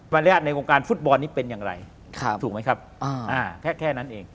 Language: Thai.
ระยะในวงการฟุตบอลนี้เป็นอย่างไรถูกไหมครับแค่นั้นเอง